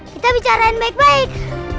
kita bicarain baik baik